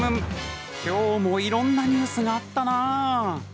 今日もいろんなニュースがあったな。